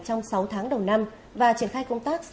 trong sáu tháng đầu năm và triển khai công tác